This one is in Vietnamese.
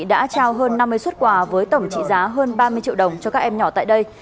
đã trao hơn năm mươi xuất quà với tổng trị giá hơn ba mươi triệu đồng cho các em nhỏ tại đây